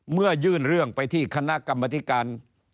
ยื่นเรื่องไปที่คณะกรรมธิการ